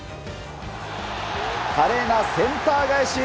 華麗なセンター返し！